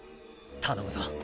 頼むぞ。